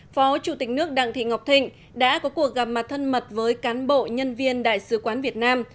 phó chủ tịch nước đặng thị ngọc thịnh đã có cuộc gặp mặt thân mật với cán bộ nhân viên đại sứ quán việt nam